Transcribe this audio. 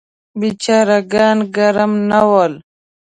بیچاره ګان ګرم نه ول.